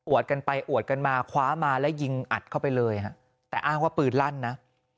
วดกันไปอวดกันมาคว้ามาแล้วยิงอัดเข้าไปเลยฮะแต่อ้างว่าปืนลั่นนะ